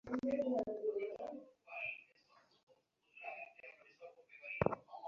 বিকেল সাড়ে পাঁচটার দিকে অবৈধ স্থাপনাগুলো ভেঙে ফেলার কাজ শেষ হয়।